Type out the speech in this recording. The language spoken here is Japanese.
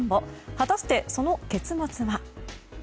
果たして、その結末は。